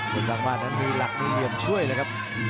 เพชรสร้างบ้านนั้นมีหลักมีเหลี่ยมช่วยนะครับ